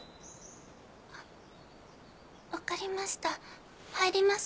わかりました入ります。